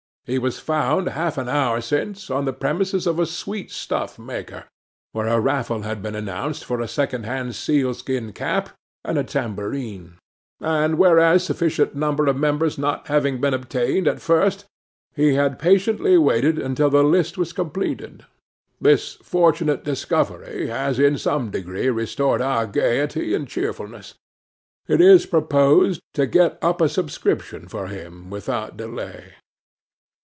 He was found half an hour since on the premises of a sweet stuff maker, where a raffle had been announced for a second hand seal skin cap and a tambourine; and where—a sufficient number of members not having been obtained at first—he had patiently waited until the list was completed. This fortunate discovery has in some degree restored our gaiety and cheerfulness. It is proposed to get up a subscription for him without delay.